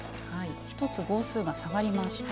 １つ号数が下がりました。